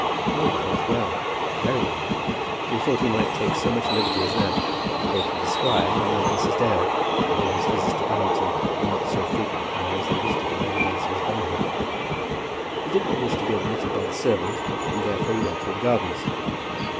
He knew the path well, very well; and he thought that he might take so much liberty as that, both with the squire and with Mrs. Dale, although his visits to Allington were not so frequent now as they used to be in the days of his boyhood. He did not wish to be admitted by the servant, and therefore he went through the gardens.